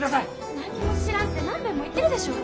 何にも知らんって何べんも言ってるでしょう！